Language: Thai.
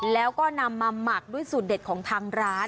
แล้วก็นำมาหมักด้วยสูตรเด็ดของทางร้าน